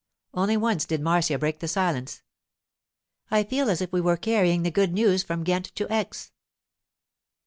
Only once did Marcia break the silence. 'I feel as if we were carrying the good news from Ghent to Aix!